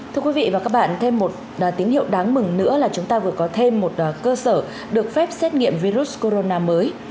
thưa quý vị và các bạn thêm một tín hiệu đáng mừng nữa là chúng ta vừa có thêm một cơ sở được phép xét nghiệm virus corona mới